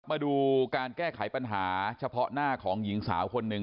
มาดูการแก้ไขปัญหาเฉพาะหน้าของหญิงสาวคนหนึ่ง